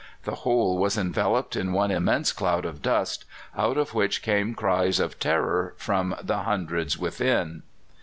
The whole was enveloped in one immense cloud of dust, out of which came cries of terror from the hundreds within.